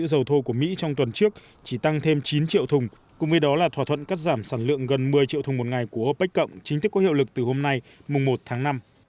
dầu thô của mỹ trong tuần trước chỉ tăng thêm chín triệu thùng cùng với đó là thỏa thuận cắt giảm sản lượng gần một mươi triệu thùng một ngày của opec cộng chính thức có hiệu lực từ hôm nay mùng một tháng năm